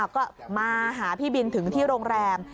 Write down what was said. ก็มาหาพี่บินถึงที่โรงแรม